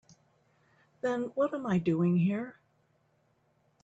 Then what am I doing here?